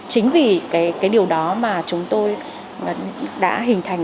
chính vì cái điều đó mà chúng tôi đã hình thành